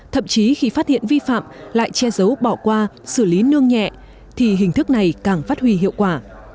thậm chí khi phát hiện vi phạm lại che giấu bỏ qua xử lý nương nhẹ thì hình thức này càng phát huy hiệu quả